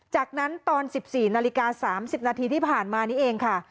จากนั้นตอน๑๔นาฬิกา๓๐นาทีที่ผ่านมานี้เองค่ะ